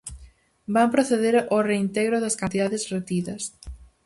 Van proceder ao reintegro das cantidades retidas.